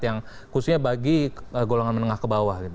yang khususnya bagi golongan menengah ke bawah